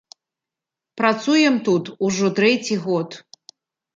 Працуем тут ужо трэці год.